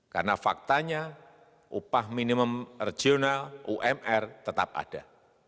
karena faktanya upah minimum regional umr tetap ada